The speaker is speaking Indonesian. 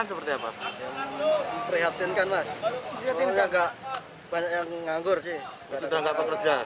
sudah nggak pekerjaan